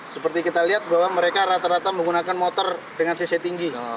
seperti kita lihat bahwa mereka rata rata menggunakan motor dengan cc tinggi